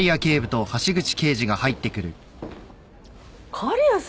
狩矢さん！